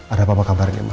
ada apa apa kabarnya mama